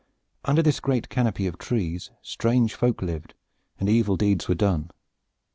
Under this great canopy of trees strange folk lived and evil deeds were done.